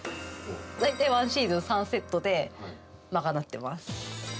大体ワンシーズン３セットで賄ってます。